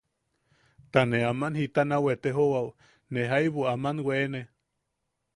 Ta ne... aman jita nau etejouwao, ne jaibu aman weene.